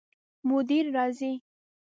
مدیر راځي؟